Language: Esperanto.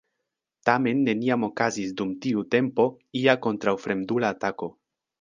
Tamen neniam okazis dum tiu tempo ia kontraŭfremdula atako.